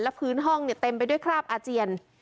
พื้นห้องเต็มไปด้วยคราบอาเจียน